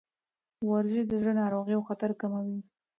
ورزش د زړه ناروغیو خطر کموي.